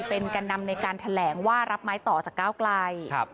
เป็นแก่นำในการแถลงว่ารับไม้ต่อจากก้าวไกล